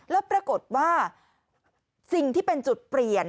แล้วปรากฏว่าสิ่งที่เป็นจุดเปลี่ยน